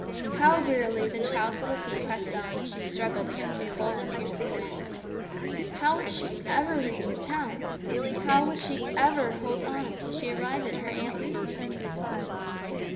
How wearily the child's little feet pressed on, as she struggled against the cold and piercing wind! How would she ever reach the town? How would she ever hold on till she arrived at her Aunt Lucy's?